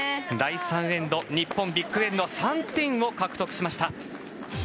第３エンド日本、ビッグエンド３点を獲得しました。